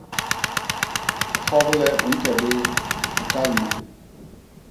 Hoble u ñke béé, u kal me.